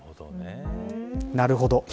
なるほどね。